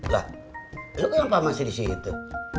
lah lo kenapa masih disitu